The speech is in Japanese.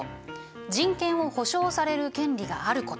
「人権を保障される権利があること」